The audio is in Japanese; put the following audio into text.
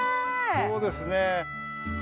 そうですねえ。